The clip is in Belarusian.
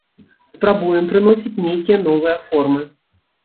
Спрабуем прыносіць нейкія новыя формы.